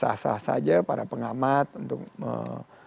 sah sah saja para pengamat untuk melakukan